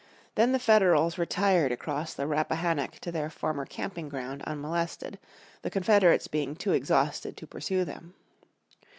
Then the Federals retired across the Rappahannock to their former camping ground unmolested, the Confederates being too exhausted to pursue them.